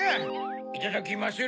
いただきまする。